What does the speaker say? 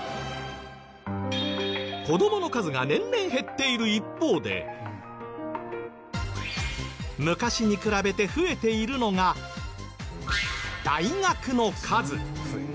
子どもの数が年々減っている一方で昔に比べて増えているのが大学の数。